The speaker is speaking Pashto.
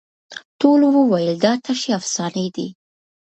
ټولو وویل دا تشي افسانې دي